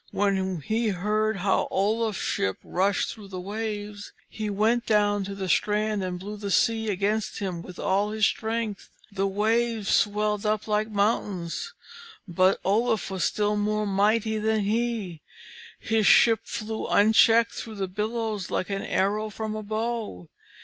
When he heard how Oluf's ship rushed through the waves, he went down to the strand and blew the sea against him with all his strength. The waves swelled up like mountains. But Oluf was still more mighty than he; his ship flew unchecked through the billows like an arrow from a bow.